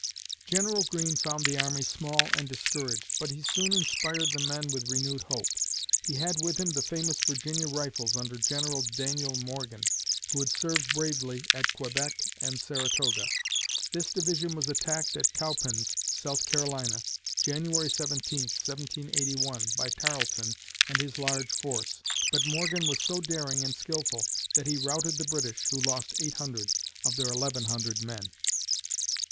General Greene found the army small and discouraged, but he soon inspired the men with renewed hope. He had with him the famous Virginia Rifles under General Daniel Morgan, who had served bravely at Quebec and Saratoga. This division was attacked at Cowpens (S. C.) January 17, 1781, by Tarleton and his large force, but Morgan was so daring and skillful that he routed the British, who lost 800 of their 1100 men.